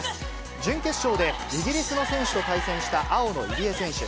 準決勝でイギリスの選手と対戦した青の入江選手。